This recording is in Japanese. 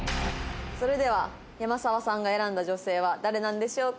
それでは山澤さんが選んだ女性は誰なんでしょうか？